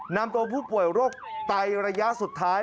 นำตัวผู้ป่วยโรคไตระยะสุดท้าย